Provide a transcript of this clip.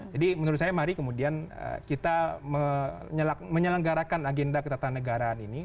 jadi menurut saya mari kemudian kita menyelenggarakan agenda ketatanegaraan ini